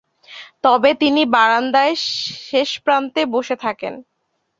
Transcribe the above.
তবে তিনি বারান্দার শেষপ্রান্তে বসে থাকেন।